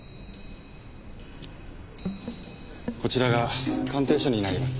こちらが鑑定書になります。